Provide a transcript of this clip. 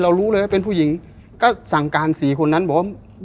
รู้เลยว่าเป็นผู้หญิงก็สั่งการสี่คนนั้นบอกว่า